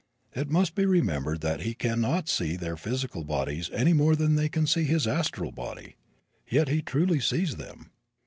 It must be remembered that he can not see their physical bodies any more than they can see his astral body. Yet he truly sees them.